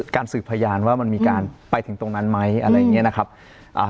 การสืบพยานว่ามันมีการไปถึงตรงนั้นไหมอะไรอย่างเงี้ยนะครับอ่า